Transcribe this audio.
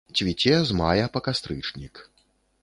Цвіце з мая па кастрычнік.